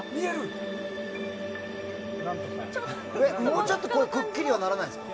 もうちょっとくっきりにはならないんですか？